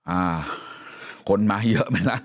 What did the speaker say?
อ้าคนมาเยอะไหมแล้ว